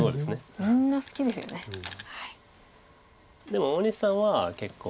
でも大西さんは結構。